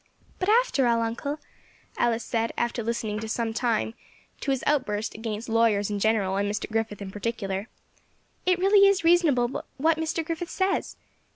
"But, after all, uncle," Alice said, after listening for some time to his outburst against lawyers in general, and Mr. Griffith in particular, "it really is reasonable what Mr. Griffith says.